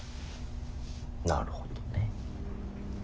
なるほどね。